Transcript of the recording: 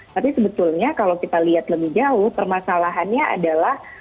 tapi sebetulnya kalau kita lihat lebih jauh permasalahannya adalah